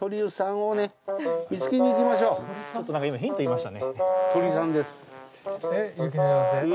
ちょっと、今ヒント言いましたね。